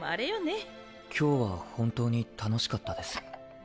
今日は本当に楽しかったです。